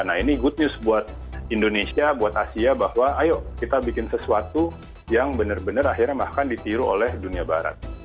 nah ini good news buat indonesia buat asia bahwa ayo kita bikin sesuatu yang benar benar akhirnya bahkan ditiru oleh dunia barat